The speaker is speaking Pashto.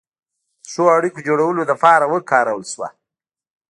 د ښو اړیکو جوړولو لپاره وکارول شوه.